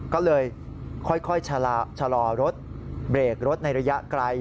ก็เลยค่อยชะลอรถเบรกรถในระยะไกล